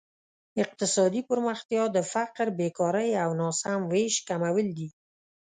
اقتصادي پرمختیا د فقر، بېکارۍ او ناسم ویش کمول دي.